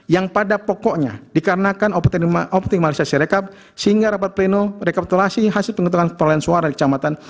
yang pada pokoknya dikarenakan optimalisasi rekap sehingga rapat pleno rekapitulasi hasil penghitungan perolehan suara di kecamatan